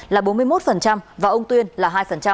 là bốn mươi một và ông tuyên là hai